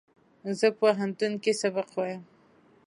زه په پوهنتون کښې سبق وایم